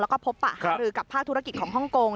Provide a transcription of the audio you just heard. แล้วก็พบปะหารือกับภาคธุรกิจของฮ่องกง